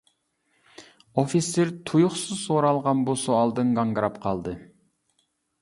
ئوفىتسېر تۇيۇقسىز سورالغان بۇ سوئالدىن گاڭگىراپ قالدى.